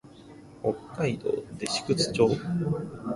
北海道弟子屈町